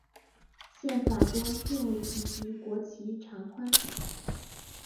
宪法中并未提及国旗长宽比。